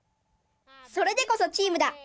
それでこそチームだ。